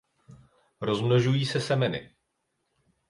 Rozmnožují se semeny.